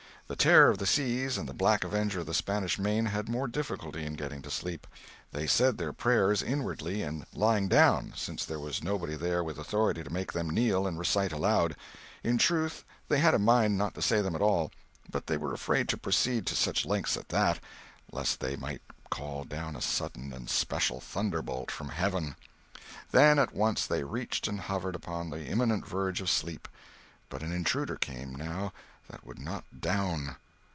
The Terror of the Seas and the Black Avenger of the Spanish Main had more difficulty in getting to sleep. They said their prayers inwardly, and lying down, since there was nobody there with authority to make them kneel and recite aloud; in truth, they had a mind not to say them at all, but they were afraid to proceed to such lengths as that, lest they might call down a sudden and special thunderbolt from heaven. Then at once they reached and hovered upon the imminent verge of sleep—but an intruder came, now, that would not "down."